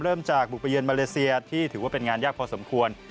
เริ่มจากบุกไปเยือนมาเลเซียที่ถือว่าเป็นงานยากพอสมควร